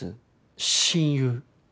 親友？